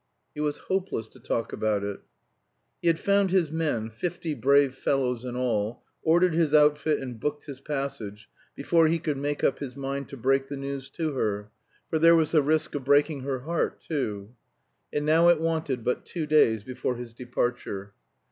It was hopeless to talk about it. He had found his men, fifty brave fellows in all, ordered his outfit and booked his passage, before he could make up his mind to break the news to her, for there was the risk of breaking her heart too. And now it wanted but two days before his departure.